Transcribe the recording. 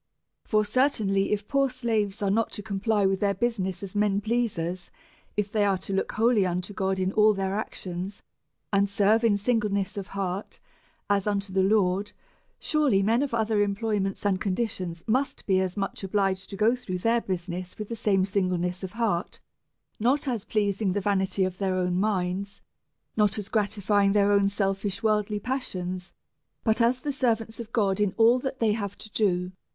Por certainly, if poor slaves are not to comply with their business as men pleasers, if they are to look wholly unto God in ail their actions, and serve in singleness of heart as unto the Lord, surely men of other employments and conditions must be as much obliged to go through their business with the same singleness of heart, not as pleasing the vanity of their own minds, not as gra tifying their own selfish worldly passions, but as the servants of God in all that they have to do.